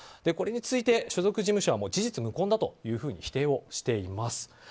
これについて、所属事務所は事実無根だと否定をしています。